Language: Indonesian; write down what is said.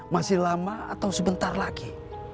masih lama atau sebentar lagi